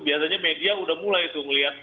biasanya media udah mulai tuh melihat